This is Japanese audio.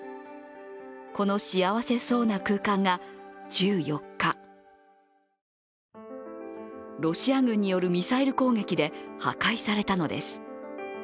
この幸せそうな空間が１４日ロシア軍によるミサイル攻撃で破壊されたのです。